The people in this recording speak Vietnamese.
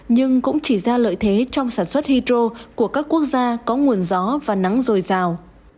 nhưng cũng chỉ ra lợi thế trong sản xuất hydro của các quốc gia có nguồn gió và nắng dồi dào